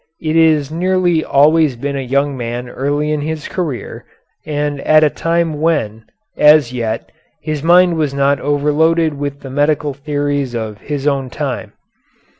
It has nearly always been a young man early in his career, and at a time when, as yet, his mind was not overloaded with the medical theories of his own time.